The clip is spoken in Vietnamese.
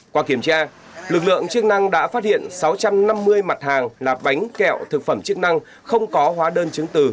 qua kiểm tra lực lượng chức năng đã phát hiện sáu trăm năm mươi mặt hàng là bánh kẹo thực phẩm chức năng không có hóa đơn chứng từ